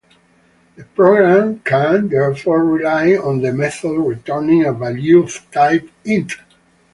The program can therefore rely on the method returning a value of type "int".